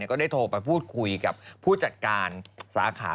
ก็ได้โทรไปพูดคุยกับผู้จัดการสาขา